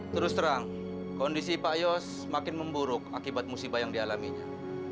terus terang kondisi pak yos semakin memburuk akibat musibah yang dialaminya